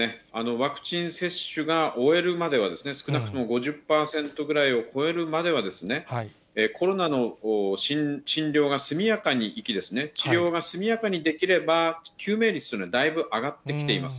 ワクチン接種が終えるまでは、少なくとも５０％ぐらいを超えるまでは、コロナの診療が速やかにいき、治療が速やかにできれば、救命率というのはだいぶ上がってきています。